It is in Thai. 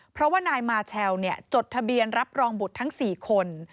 เพราะว่านายมาเชลจดทะเบียนรับรองบุตรทั้ง๔คน